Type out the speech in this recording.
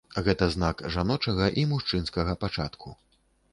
Гэта знак жаночага і мужчынскага пачатку.